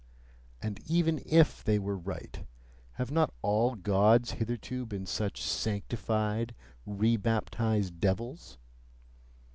And even if they were right have not all Gods hitherto been such sanctified, re baptized devils?